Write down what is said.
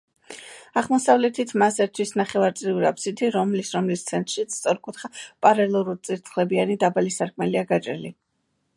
აღმოსავლეთით მას ერთვის ნახევარწრიული აფსიდი, რომლის რომლის ცენტრშიც სწორკუთხა, პარალელურწირთხლებიანი, დაბალი სარკმელია გაჭრილი.